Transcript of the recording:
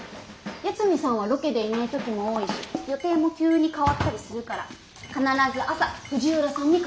八海さんはロケでいない時も多いし予定も急に変わったりするから必ず朝藤浦さんに確認すること。